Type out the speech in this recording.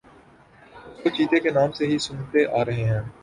اس کو چیتا کے نام سے ہی سنتے آرہے ہیں